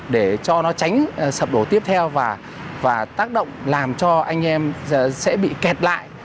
để cho nó tránh sập đổ tiếp theo và tác động làm cho anh em sẽ bị kẹt lại